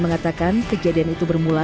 mengatakan kejadian itu bermula